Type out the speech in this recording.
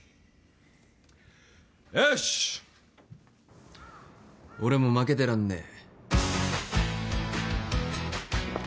よし俺も負けてらんねえ